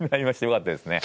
よかったですね。